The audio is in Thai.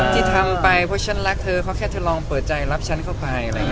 ที่ทำไปเพราะฉันรักเธอเค้าแค่จะลองเปิดใจรับฉันเข้าไป